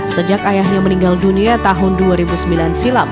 sejak ayahnya meninggal dunia tahun dua ribu sembilan silam